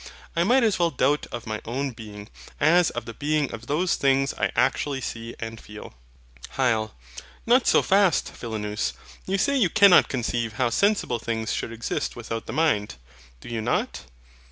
I might as well doubt of my own being, as of the being of those things I actually see and feel. HYL. Not so fast, Philonous: you say you cannot conceive how sensible things should exist without the mind. Do you not?